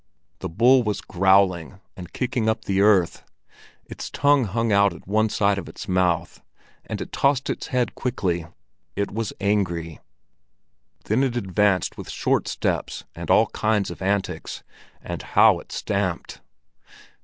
The bull was growling and kicking up the earth; its tongue hung out at one side of its mouth, and it tossed its head quickly; it was angry. Then it advanced with short steps and all kinds of antics; and how it stamped!